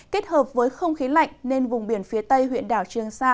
kết hợp với không khí lạnh nên vùng biển phía tây huyện đảo trường sa